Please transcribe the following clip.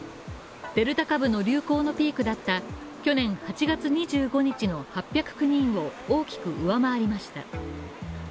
デルタ株の流行のピークだった去年８月２５日の８０９人を大きく上回りました。